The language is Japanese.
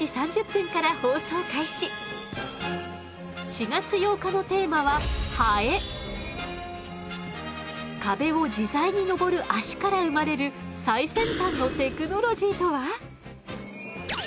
４月８日のテーマは壁を自在に登る脚から生まれる最先端のテクノロジーとは？